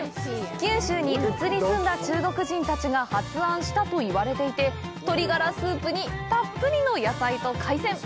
九州に移り住んだ中国人たちが発案したといわれていて、鶏ガラスープにたっぷりの野菜と海鮮。